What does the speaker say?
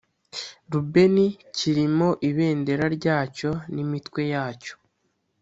rubeni kirimo ibendera ryacyo n’imitwe yacyo